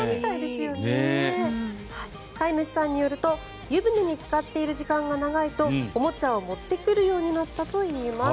飼い主さんによると湯船につかっている時間が長いとおもちゃを持ってくるようになったといいます。